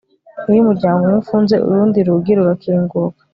iyo umuryango umwe ufunze urundi rugi rurakinguka